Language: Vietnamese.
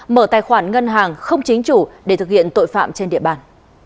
mở tài khoản ngân hàng không chính chủ để thực hiện tội phạm trên địa bàn